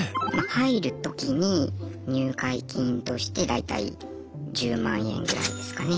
入るときに入会金として大体１０万円ぐらいですかね。